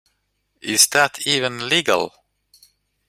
Is that even legal?